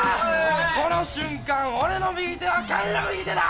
この瞬間俺の右手は神の右手だ！